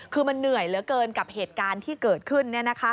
คือมันเหนื่อยเหลือเกินกับเหตุการณ์ที่เกิดขึ้น